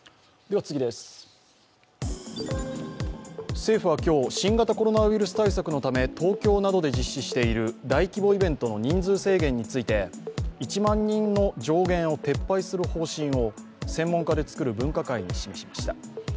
政府は今日、新型コロナウイルス対策のため東京などで実施している大規模イベントの人数制限について１万人の上限を撤廃する方針を専門家で作る分科会に示しました。